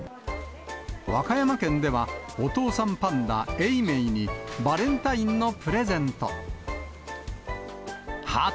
和歌山県では、お父さんパンダ、永明にバレンタインのプレゼント。